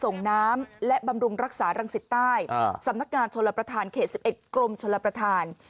ส่งน้ำและบำรุงรักษารังสิตใต้สำนักงานชลประธานเขต๑๑กรมชลประธาน